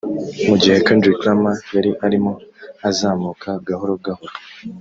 Mu gihe Kendrick Lamar yari arimo azamuka gahoro gahoro